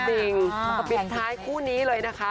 จริงแล้วก็ปิดท้ายคู่นี้เลยนะคะ